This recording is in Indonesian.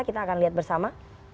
kita akan lihat bersama